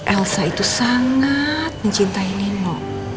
elsa itu sangat mencintai nino